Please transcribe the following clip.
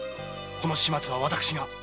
この始末は私が。